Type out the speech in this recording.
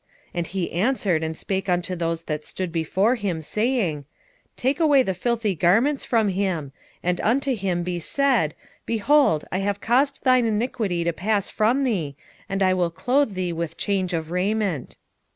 3:4 And he answered and spake unto those that stood before him, saying, Take away the filthy garments from him. And unto him he said, Behold, I have caused thine iniquity to pass from thee, and I will clothe thee with change of raiment.